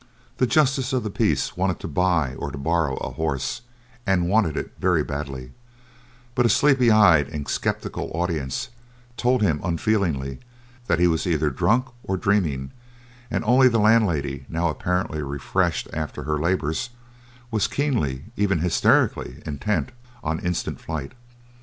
The justice of the peace wanted to buy or to borrow a horse, and wanted it very badly, but a sleepy eyed and sceptical audience told him unfeelingly that he was either drunk or dreaming, and only the landlady, now apparently refreshed after her labors, was keenly, even hysterically, intent on instant flight.